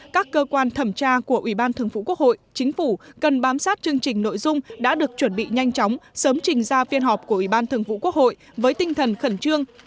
các cơ quan thẩm tra của ủy ban thường phủ quốc hội chính phủ cần bám sát chương trình nội dung đã được chuẩn bị nhanh chóng sớm trình ra phiên họp của ủy ban thường vụ quốc hội với tinh thần khẩn trương